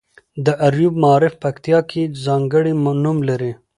د اریوب معارف پکتیا کې ځانګړی نوم لري.